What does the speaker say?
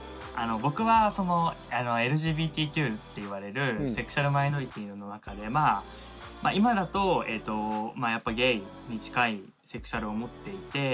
僕はＬＧＢＴＱっていわれるセクシュアルマイノリティーの中で今だとゲイに近いセクシュアルを持っていて。